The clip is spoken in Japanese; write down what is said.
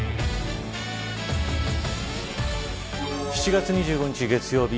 ７月２５日月曜日